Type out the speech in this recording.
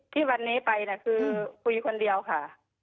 ที่วันนี้ไปคือคุยคนเดียวค่ะ